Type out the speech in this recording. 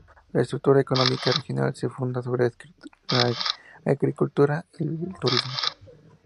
La estructura económica regional se funda sobre la agricultura y el turismo.